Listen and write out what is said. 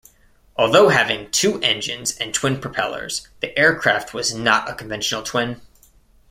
Although having two engines and twin propellers, the aircraft was not a conventional twin.